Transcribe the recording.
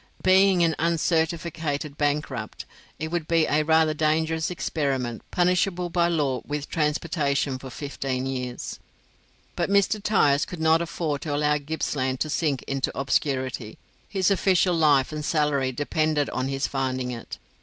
Being an uncertificated bankrupt, it would be a rather dangerous experiment, punishable by law with transportation for fifteen years." But Mr. Tyers could not afford to allow Gippsland to sink into obscurity; his official life and salary depended on his finding it.